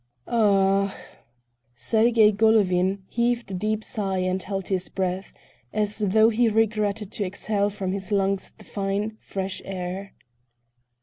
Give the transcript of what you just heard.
"U ach!" Sergey Golovin heaved a deep sigh and held his breath, as though he regretted to exhale from his lungs the fine, fresh air.